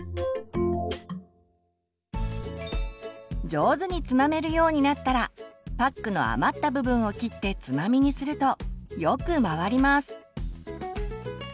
上手につまめるようになったらパックの余った部分を切ってつまみにするとよく回ります。